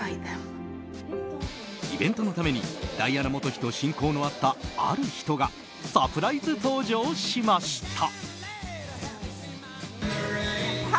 イベントのためにダイアナ元妃と親交のあったある人がサプライズ登場しました。